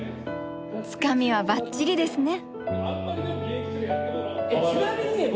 つかみはばっちりですね。